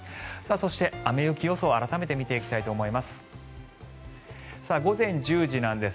そして雨・雪予想改めて見ていきたいと思います。